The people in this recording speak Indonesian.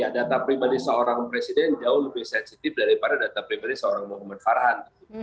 data pribadi seorang presiden jauh lebih sensitif daripada data pribadi seorang muhammad farhan